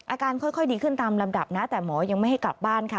อาการค่อยดีขึ้นตามลำดับนะแต่หมอยังไม่ให้กลับบ้านค่ะ